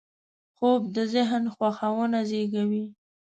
خوب د ذهن خوښونه زېږوي